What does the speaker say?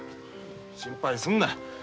心配するな。